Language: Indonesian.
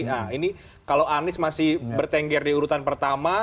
nah ini kalau anies masih bertengger di urutan pertama